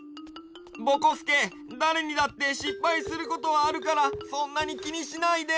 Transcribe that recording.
ぼこすけだれにだってしっぱいすることはあるからそんなにきにしないで！